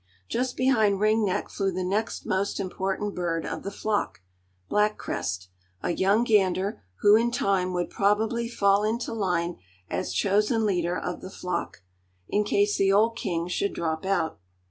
Just behind Ring Neck flew the next most important bird of the flock, Black Crest, a young gander who in time would probably fall into line as chosen leader of the flock, in case the old king should drop out.